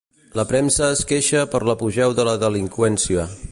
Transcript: La premsa es queixa per l'apogeu de la delinqüència.